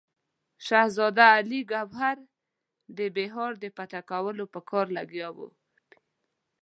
شهزاده علي ګوهر د بیهار د فتح کولو په کار لګیا وو.